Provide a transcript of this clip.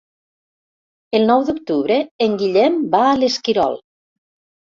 El nou d'octubre en Guillem va a l'Esquirol.